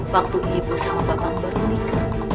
waktu ibu sama bapak beruling